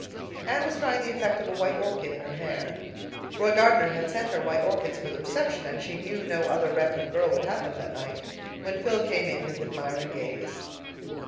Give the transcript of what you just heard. Anne was trying the effect of a white orchid in her hair. Roy Gardner had sent her white orchids for the reception, and she knew no other Redmond girl would have them that night—when Phil came in with admiring gaze.